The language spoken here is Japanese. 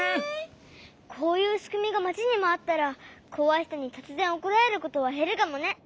こういうしくみがまちにもあったらこわいひとにとつぜんおこられることはへるかもね。